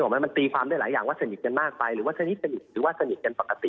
มันตีความได้หลายอย่างว่าสนิทกันมากไปหรือว่าสนิทกันปกติ